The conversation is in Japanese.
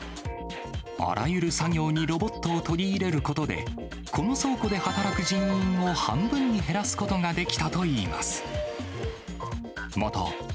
あらゆる作業にロボットを取り入れることで、この倉庫で働く人員を半分に減らすことができたといいます。